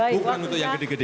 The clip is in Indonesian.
bukan untuk yang gede gede